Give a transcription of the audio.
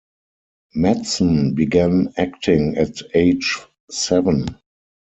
Mattson began acting at age seven.